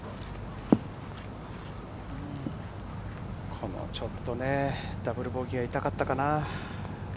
このちょっとね、ダブルボギーは痛かったかな。